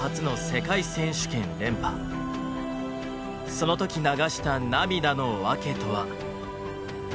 その時流した涙の訳とは。